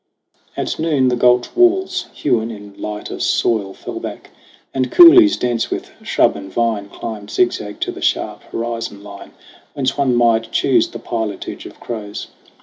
At noon the gulch walls, hewn in lighter soil, Fell back ; and coulees dense with shrub and vine Climbed zigzag to the sharp horizon line, Whence one might choose the pilotage of crows.